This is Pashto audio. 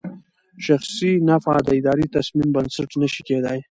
شخصي نفعه د اداري تصمیم بنسټ نه شي کېدای.